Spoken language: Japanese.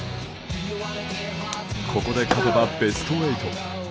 ここで勝てばベスト８。